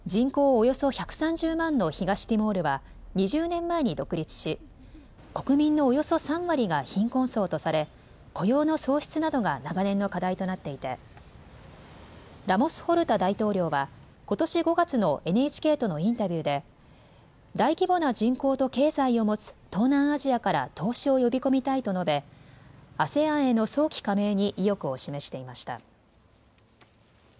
およそ１３０万の東ティモールは２０年前に独立し国民のおよそ３割が貧困層とされ雇用の創出などが長年の課題となっていてラモス・ホルタ大統領はことし５月のＮＨＫとのインタビューで大規模な人口と経済を持つ東南アジアから投資を呼び込みたいと述べ、ＡＳＥＡＮへの早期加盟に意欲を示していました。